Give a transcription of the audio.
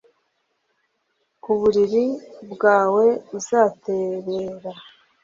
Ku buriri bwawe uzaterera